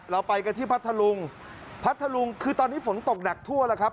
เราไปกันที่พัทธลุงพัทธลุงคือตอนนี้ฝนตกหนักทั่วแล้วครับ